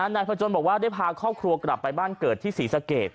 นายพจนบอกว่าได้พาครอบครัวกลับไปบ้านเกิดที่ศรีสะเกด